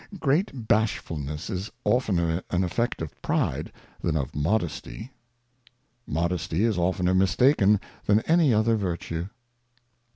GREAT Bashfulness is oftener an Effect of Pride than of Bashfal Modesty. Modesty is oftner mistaken than any other Virtue.